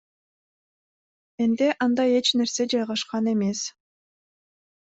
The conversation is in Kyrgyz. Менде андай эч нерсе жайгашкан эмес.